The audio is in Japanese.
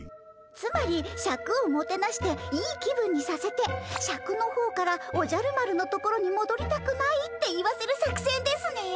つまりシャクをもてなしていい気分にさせてシャクの方から「おじゃる丸のところにもどりたくない」って言わせる作戦ですね。